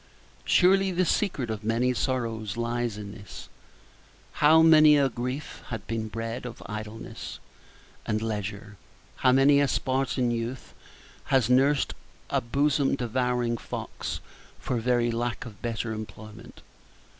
Surely the secret of many sorrows lies in this. How many a grief has been bred of idleness and leisure! How many a Spartan youth has nursed a bosom devouring fox for very lack of better employment!